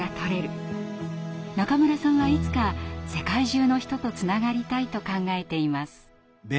中村さんはいつか世界中の人とつながりたいと考えています。